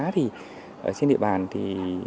trên địa bàn thì